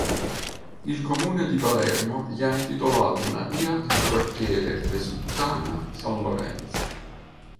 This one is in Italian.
Il comune di Palermo gli ha intitolato una via nel quartiere Resuttana-San Lorenzo.